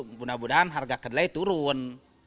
mudah mudahan harga kedelai turun